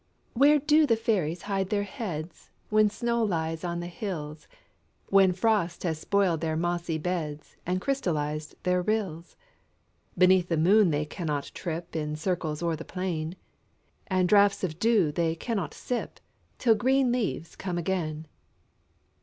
where do fairies hide their heads, When snow lies on the hills, When frost has spoiled their mossy beds, And crystallized their rills? Beneath the moon they cannot trip In circles o'er the plain ; And draughts of dew they cannot sip, Till green leaves come again.